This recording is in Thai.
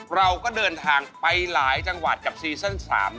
เราก็เดินทางไปหลายจังหวัดกับซีซั่น๓